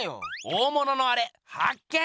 大物のアレ発見！